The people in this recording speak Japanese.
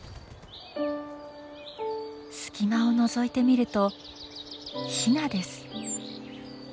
隙間をのぞいてみるとヒナです。